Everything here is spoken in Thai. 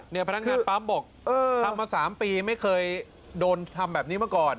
เนี่ยพนักงานป๊าบบอกทำมา๓ปีไม่เคยโดนทำแบบนี้เมื่อก่อน